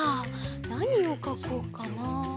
なにをかこうかな。